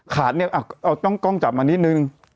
ขาเนี่ยเอากล้องกล้องจับมานิดนึง